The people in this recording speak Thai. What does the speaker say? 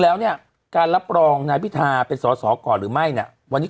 แล้วเนี่ยการรับรองนายพิธาเป็นสอสอก่อนหรือไม่เนี่ยวันนี้